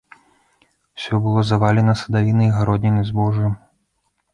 Усё было завалена садавінай, гароднінай, збожжам.